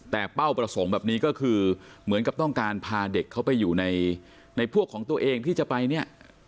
แต่เป้าประสงค์แบบนี้ก็คือเหมือนกับต้องการพาเด็กเขาไปอยู่ในพวกของตัวเองที่จะไปเนี่ย